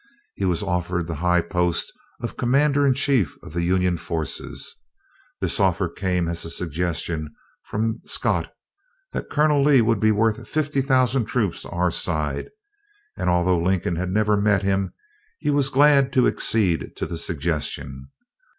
He was offered the high post of commander in chief of the Union forces. This offer came at a suggestion from Scott that "Colonel Lee would be worth fifty thousand troops to our side"; and although Lincoln had never met him, he was glad to accede to the suggestion.